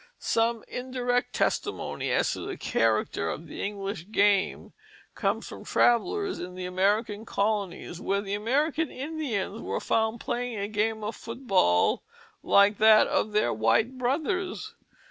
Some indirect testimony as to the character of the English game comes from travellers in the American colonies, where the American Indians were found playing a game of foot ball like that of their white brothers.